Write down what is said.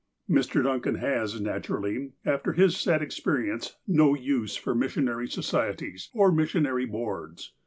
Mr. Duncan has, naturally, after his sad experience, no use for Missionary Societies, or Missionary Boards.